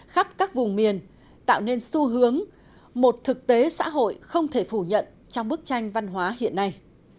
khắp các vùng miền tạo nên xu hướng một thực tế xã hội không thể phủ nhận trong bức tranh văn hóa hiện nay